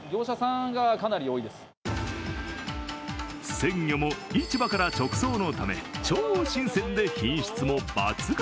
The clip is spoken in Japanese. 鮮魚も市場から直送のため超新鮮で品質も抜群。